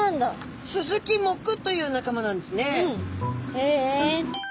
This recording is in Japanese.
へえ。